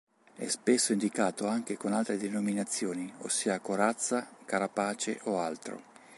È spesso indicato anche con altre denominazioni, ossia corazza, carapace o altro.